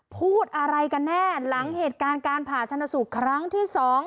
พูดอะไรกันแน่หลังเหตุการณ์การผ่าชนสูตรครั้งที่๒